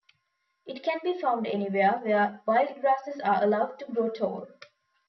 It can be found anywhere where wild grasses are allowed to grow tall.